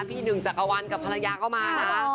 พี่หนึ่งจากกะวันกับภรรยาก็มาล่ะ